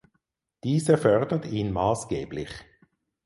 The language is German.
Dieser fördert ihn maßgeblich.